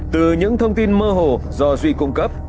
từ những thông tin mơ hồ do duy cung cấp